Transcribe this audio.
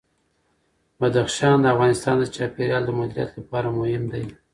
بدخشان د افغانستان د چاپیریال د مدیریت لپاره مهم دي.